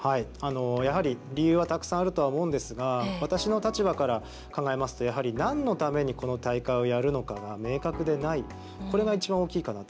やはり、理由はたくさんあるとは思うんですが私の立場から考えますとやはり何のためにこの大会をやるのかが明確でないこれがいちばん大きいかなと。